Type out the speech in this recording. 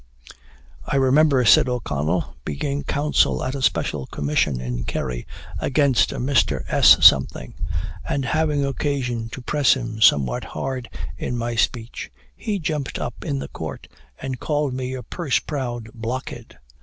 '""I remember," said O'Connell, "being counsel at a special commission in Kerry against a Mr. S , and having occasion to press him somewhat hard in my speech, he jumped up in the court, and called me 'a purse proud blockhead.'